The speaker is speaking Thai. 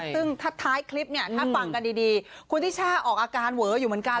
ซึ่งถ้าท้ายคลิปเนี่ยถ้าฟังกันดีคุณทิช่าออกอาการเวออยู่เหมือนกัน